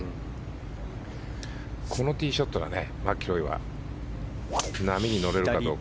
このティーショットでマキロイは波に乗れるかどうか。